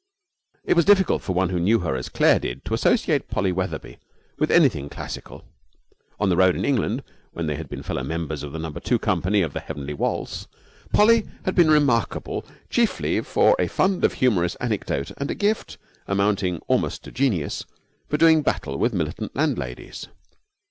It was difficult for one who knew her as Claire did to associate Polly Wetherby with anything classical. On the road, in England, when they had been fellow members of the Number Two company of The Heavenly Waltz, Polly had been remarkable chiefly for a fund of humorous anecdote and a gift, amounting almost to genius, for doing battle with militant landladies.